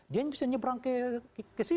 dia bisa nyebrang ke sini